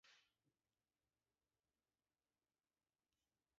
Baina, oraingoan horren inguruan hitz egin du emakume batek.